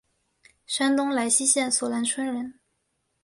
山东莱西县索兰村人。